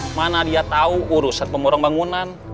kang murad mana dia tahu urusan pemurung bangunan